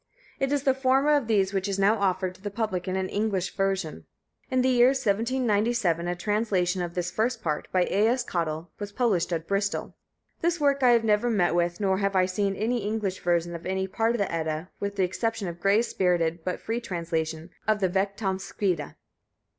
It is the former of those which is now offered to the public in an English version. In the year 1797, a translation of this first part, by A.S. Cottle, was published at Bristol. This work I have never met with; nor have I seen any English version of any part of the Edda, with the exception of Gray's spirited but free translation of the Vegtamskvida.